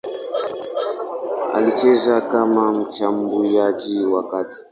Alicheza kama mshambuliaji wa kati.